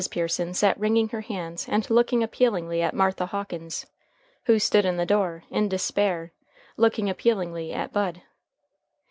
Pearson sat wringing her hands and looking appealingly at Martha Hawkins, who stood in the door, in despair, looking appealingly at Bud.